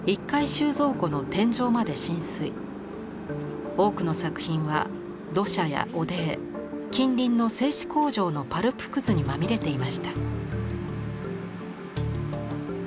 収蔵庫の天井まで浸水多くの作品は土砂や汚泥近隣の製紙工場のパルプくずにまみれていました。